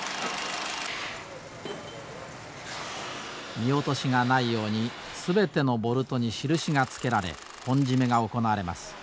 見落としがないように全てのボルトに印が付けられ本締めが行われます。